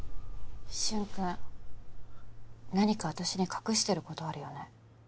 舜くん何か私に隠してる事あるよね？